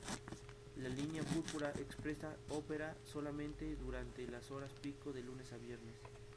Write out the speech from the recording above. La línea Púrpura Expresa opera solamente durante las horas pico de lunes a viernes.